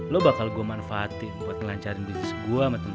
lo bakal gue manfaatin buat ngelancarin bisnis gue sama temen temen gue